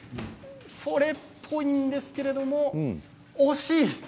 それっぽいんですけれども惜しい。